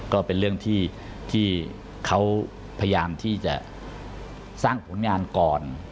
ก็เป็นเรื่องที่เขาพยายามที่จะสร้างผลงานก่อน